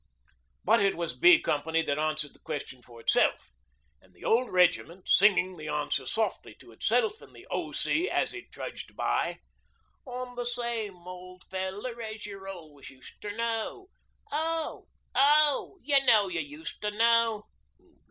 But it was B company that answered the question for itself and the old regiment, singing the answer softly to itself and the O.C. as it trudged past I'm the same ol' feller that you always used to know Oh! Oh! you know you used to know.